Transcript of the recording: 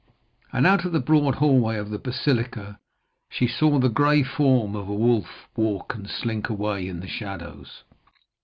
And out of the broad hallway of the basilica she saw the grey form of a wolf walk and slink away in the shadows.